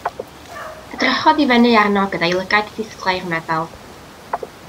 Edrychodd i fyny arno gyda'i lygad disglair meddal.